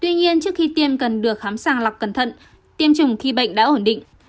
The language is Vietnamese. tuy nhiên trước khi tiêm cần được khám sàng lọc cẩn thận tiêm chủng khi bệnh đã ổn định